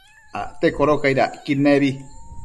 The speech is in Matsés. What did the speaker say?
Acte codocaid acquid nebi